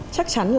chắc chắn là